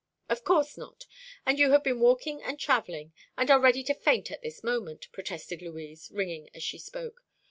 "Of course not; and you have been walking and travelling, and are ready to faint at this moment," protested Louise, ringing as she spoke.